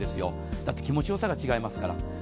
だって気持ちよさが違いますから。